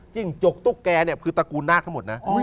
จกตุ๊กแกะคือตระกูลนาคทั้งหมด